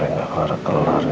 yang gak kelar kelar